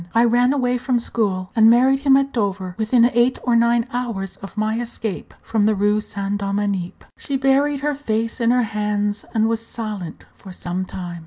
I ran away from school, and married him at Dover, within eight or nine hours of my escape from the Rue Saint Dominique." She buried her face in her hands, and was silent for some time.